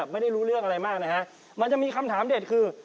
มันจะมีคำถามเดชคือ